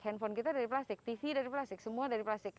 handphone kita dari plastik tv dari plastik semua dari plastik